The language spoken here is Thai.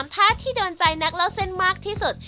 ท่าที่โดนใจนักเล่าเส้นมากที่สุด